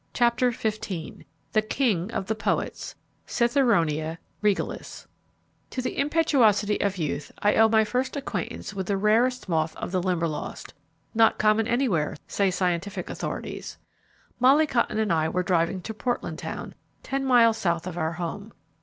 CHAPTER XV The King of the Poets: Citheronia Regalis To the impetuosity of youth I owe my first acquaintance with the rarest moth of the Limberlost; "not common anywhere," say scientific authorities. Molly Cotton and I were driving to Portland town, ten miles south of our home.